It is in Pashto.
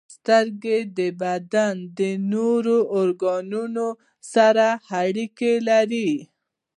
• سترګې د بدن د نورو ارګانونو سره اړیکه لري.